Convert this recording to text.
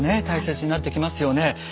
大切になってきますよね。